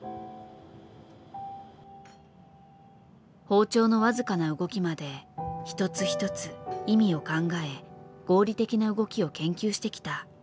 包丁の僅かな動きまで一つ一つ意味を考え合理的な動きを研究してきた。